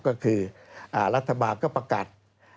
ก็คือรัฐบาลก็ประกาศ